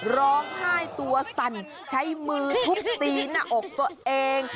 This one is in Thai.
ร้องไห้ตัวสั่นใช้มือทุบตีหน้าอกตัวเอง